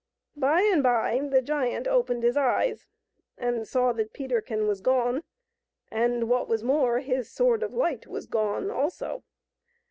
By and by the giant opened his eyes and saw that Peterkin was gone, and, what was more, his Sword of Light was gone also.